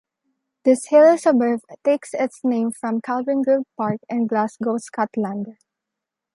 This hilly suburb takes its name from Kelvingrove Park in Glasgow, Scotland.